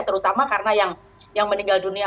terutama karena yang meninggal dunia